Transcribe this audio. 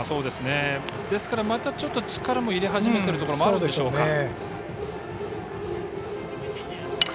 ですから、またちょっと力も入れ始めてるところもあるんでしょうか。